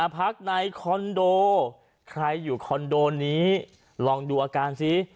พักในคอนโดใครอยู่คอนโดนี้ลองดูอาการซิ